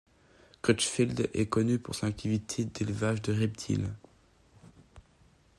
Crutchfield est connu pour son activité d'élevage de reptiles.